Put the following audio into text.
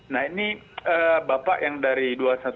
nah ini bapak yang dari dua ratus dua belas